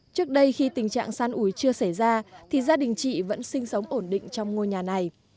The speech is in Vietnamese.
trước đây khi tình trạng san ủi chưa xảy ra thì gia đình chị vẫn sinh sống ổn định trong ngôi nhà này